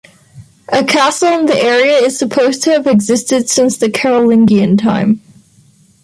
A castle in the area is supposed to have existed since the Carolingian time.